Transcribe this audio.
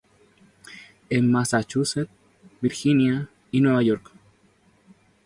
En Massachusetts, Virginia, y Nueva York.